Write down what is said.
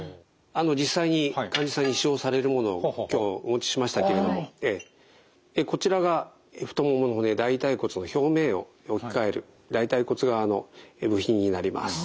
実際に患者さんに使用されるものを今日お持ちしましたけれどもこちらが太ももの骨大腿骨の表面を置き換える大腿骨側の部品になります。